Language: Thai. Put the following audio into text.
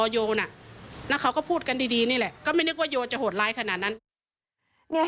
โยต้องกล้าภาษณ์อยากให้คุณผู้ชมได้ฟัง